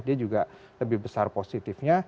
dia juga lebih besar positifnya